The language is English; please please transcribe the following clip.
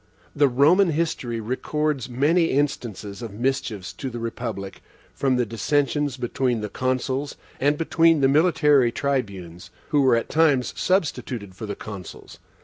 The Roman history records many instances of mischiefs to the republic from the dissensions between the Consuls, and between the military Tribunes, who were at times substituted for the Consuls.